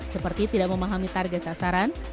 seperti tidak memahami target sasaran